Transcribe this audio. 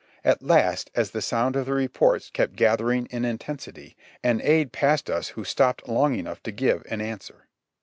At last, as the sound of the reports kept gathering in intensity, an aid passed us who stopped long enough to give an answer.